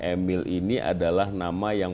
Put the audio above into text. emil ini adalah nama yang